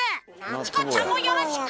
チコちゃんもよろしく！